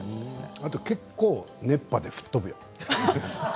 結構熱波で吹っ飛ぶよ。